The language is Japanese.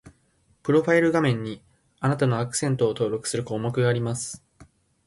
プロファイル画面に、あなたのアクセントを登録する項目があります